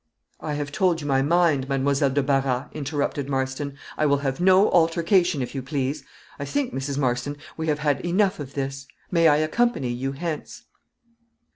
"I have told you my mind, Mademoiselle de Barras," interrupted Marston; "I will have no altercation, if you please. I think, Mrs. Marston, we have had enough of this; may I accompany you hence?"